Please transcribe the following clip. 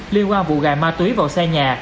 liên quan vụ gài ma túy vào xe nhà